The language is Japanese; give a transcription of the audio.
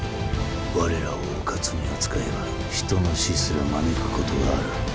我らをうかつに扱えば人の死すら招くことがある。